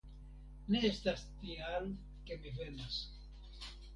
Ne estas tial, ke mi venas.